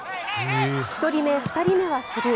１人目、２人目はスルー。